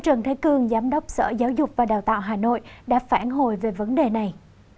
trần thái cương giám đốc sở giáo dục và đào tạo hà nội đã phản hồi về vấn đề này